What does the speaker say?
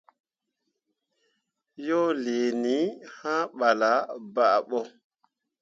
Yo liini, hã ɓala baaɓo.